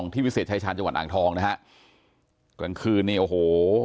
วิเศษชายชาญจังหวัดอ่างทองนะฮะกลางคืนนี่โอ้โห